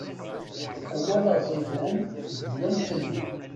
Awal aẓidan, d ddwa n ḥellu.